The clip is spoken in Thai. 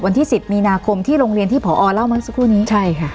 วันที่สิบมีนาคมที่โรงเรียนที่ผอเล่ามาสักครู่นี้ใช่ค่ะ